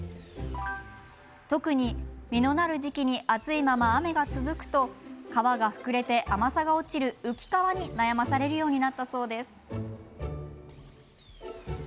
特に実のなる時期に暑いまま雨が続くと皮が膨れて甘さが落ちる、浮皮に悩まされるようになったそうです。